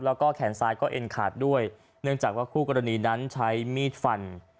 แล้วก็แขนซ้ายก็เอ็นขาดด้วยเนื่องจากว่าคู่กรณีนั้นใช้มีดฟัน